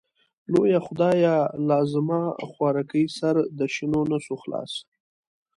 لويه خدايه لازما خوارکۍ سر د شينونسو خلاص.